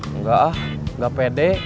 enggak ah gak pede